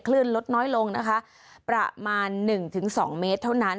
คลื่นลดน้อยลงนะคะประมาณ๑๒เมตรเท่านั้น